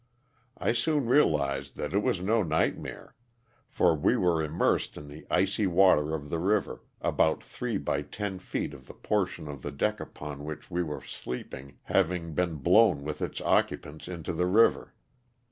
I soon realized that it was no nightmare for we were immersed in the icy water of the river, about three by ten feet of the portion of the deck upon which we were sleeping having been blown LOSS OF THE SULTAiq^A. 235 with its occupants into the river.